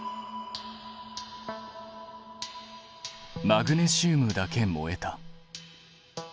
マグネシウムだけ燃えた。